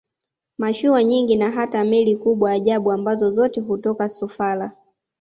Mashua nyingi na hata meli kubwa ajabu ambazo zote hutoka Sofala